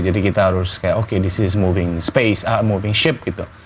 jadi kita harus kayak okay this is moving space moving ship gitu